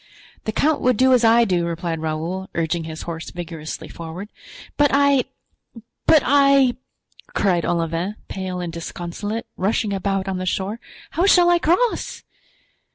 "The count would do as I do," replied Raoul, urging his horse vigorously forward. "But I—but I," cried Olivain, pale and disconsolate rushing about on the shore, "how shall I cross?"